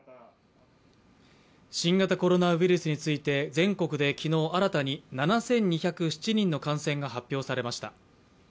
新型コロナウイルスについて、全国で昨日、新たに７２０７人の感染が発表されました。